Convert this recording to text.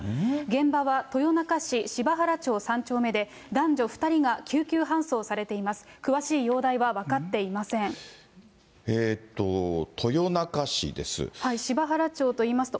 現場は豊中市しばはら町３丁目で、男女２人が救急搬送されています。